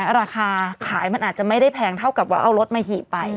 ราคาขายมันอาจจะไม่ได้แพงเท่ากับว่าเอารถมาหี่ไป